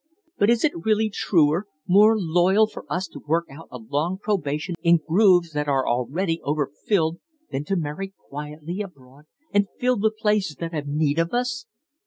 But is it really truer, more loyal for us to work out a long probation in grooves that are already overfilled than to marry quietly abroad and fill the places that have need of us?